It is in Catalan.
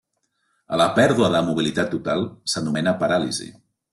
A la pèrdua de mobilitat total s'anomena paràlisi.